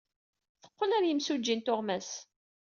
Teqqel ɣer yimsujji n tuɣmas.